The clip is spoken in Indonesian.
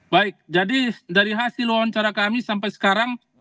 baik jadi dari hasil wawancara kami sampai sekarang